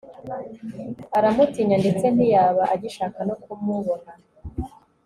aramutinya ndetse ntiyaba agishaka no kumubona